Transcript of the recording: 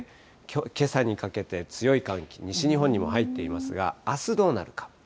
けさにかけて強い寒気、西日本にも入っていますが、あすどうなるか。